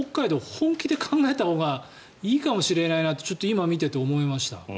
本気で考えたほうがいいかもしれないなとちょっと今見ていて思いました。